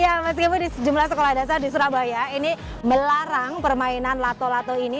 ya meskipun di sejumlah sekolah dasar di surabaya ini melarang permainan lato lato ini